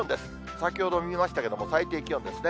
先ほど見ましたけれども、最低気温ですね。